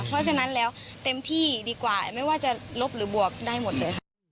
เพราะฉะนั้นแล้วเต็มที่ดีกว่าไม่ว่าจะลบหรือบวกได้หมดเลยค่ะ